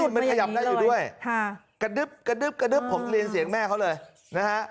มันขยับได้อยู่ด้วยกระดึ๊บกระดึ๊บกระดึ๊บผมเรียนเสียงแม่เขาเลยนะฮะ